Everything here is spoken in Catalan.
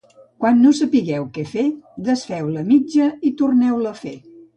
Quan no sapigueu què fer, desfeu la mitja i torneu-la a fer.